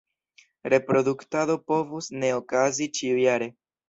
Reproduktado povus ne okazi ĉiujare.